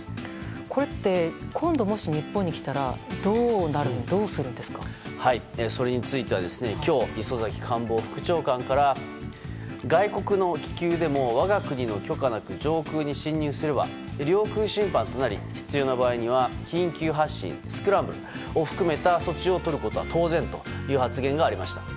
これって、今度もし日本に来たらそれについては今日、磯崎官房副長官から外国の気球でも我が国の許可なく上空に侵入すれば領空侵犯となり必要な場合には緊急発進スクランブルを含めた措置をとることは当然という発言がありました。